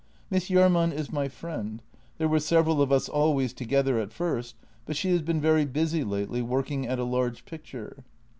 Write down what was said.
"Miss Jahrman is my friend — there were several of us al ways together at first, but she has been very busy lately working at a large picture."